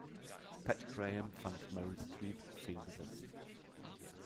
Pat Graham fand Meryl Streep fehlbesetzt.